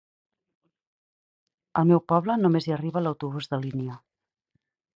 Al meu poble només hi arriba l'autobús de línia.